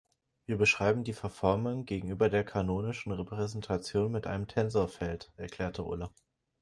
Wir beschreiben die Verformung gegenüber der kanonischen Repräsentation mit einem Tensorfeld, erklärte Ulla.